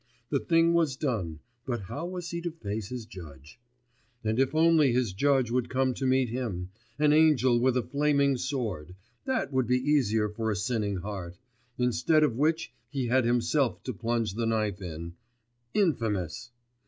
The thing was done, but how was he to face his judge? And if only his judge would come to meet him an angel with a flaming sword; that would be easier for a sinning heart ... instead of which he had himself to plunge the knife in.... Infamous!